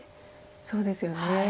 そうですよね。